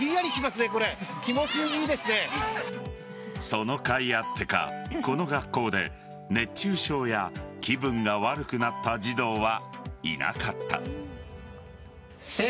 そのかいあってか、この学校で熱中症や気分が悪くなった児童はいなかった。